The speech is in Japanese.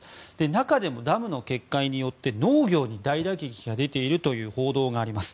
中でもダムの決壊によって農業に大打撃が出ているという報道があります。